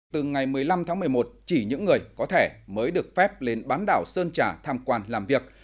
từ ngày một mươi năm tháng một mươi một chỉ những người có thẻ mới được phép lên bán đảo sơn trà tham quan làm việc